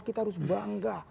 kita harus bangga